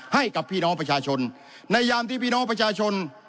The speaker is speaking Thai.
ให้กับพี่น้องประชาชนในยามที่พี่น้องประชาชน